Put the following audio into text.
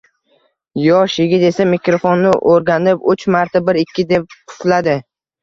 Yosh yigit esa mikrofonni o`rnatib, uch marta bir-ikki deb pufladi